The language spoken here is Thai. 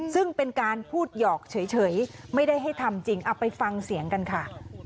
ซึ่งเป็นการพูดหยอกเฉยไม่ได้ให้ทำจริงเอาไปฟังเสียงกันค่ะ